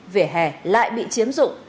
vỉa hè lại bị chiếm dụng